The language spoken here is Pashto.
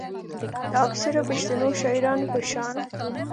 د اکثره پښتنو شاعرانو پۀ شان